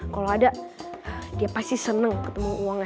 kalau ada dia pasti seneng ketemu uangnya